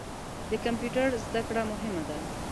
د کمپیوټر زده کړه مهمه ده.